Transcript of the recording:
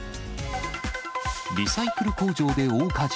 リサイクル工場で大火事。